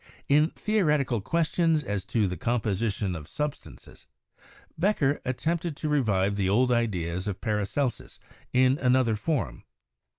In theoretical questions as to the composition of substances, Becher attempted to revive the old ideas of Paracelsus in another form.